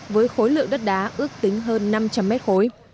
với khối lượng đất đá ước tính hơn năm trăm linh mét khối